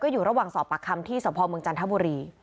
อยู่ระหว่างสอบปากคำที่สพเมืองจันทบุรี